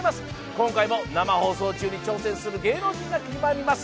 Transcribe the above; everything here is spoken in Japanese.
今回も生放送中に挑戦する芸能人も決まります